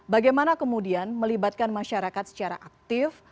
bagaimana kemudian melibatkan masyarakat secara aktif